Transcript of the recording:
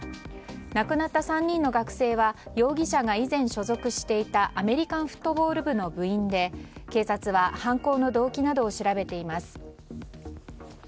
亡くなった３人の学生は容疑者が以前、所属していたアメリカンフットボール部の部員で警察は犯行の動機などを調べています。